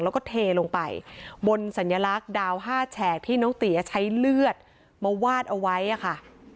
แล้วก็เทลงไปบนสัญลักษณ์ดาว๕แฉกที่น้องเตี๋ยใช้เลือดมาวาดเอาไว้ค่ะ